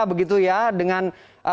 begitu ya dengan